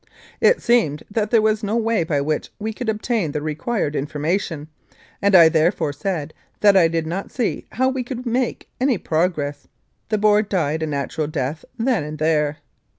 It seemed that there was no way by which we could obtain the required information, and I therefore said that I did not see how we could make any progress. The board died a natural death then and there.